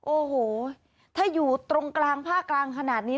โอ้โหถ้าอยู่ตรงกลางภาคกลางขนาดนี้